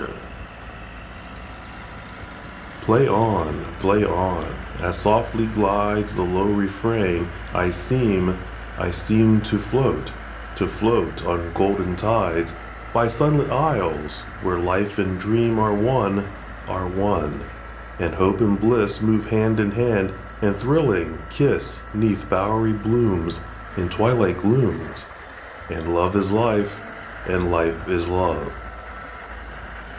1882.]PLAY on! Play on! As softly glidesThe low refrain, I seem, I seemTo float, to float on golden tides, By sunlit isles, where life and dreamAre one, are one; and hope and blissMove hand in hand, and thrilling, kiss'Neath bowery blooms, In twilight glooms, And love is life, and life is love.